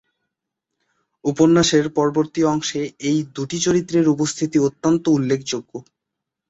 উপন্যাসের পরবর্তী অংশে এই দুটি চরিত্রের উপস্থিতি অত্যন্ত উল্লেখযোগ্য।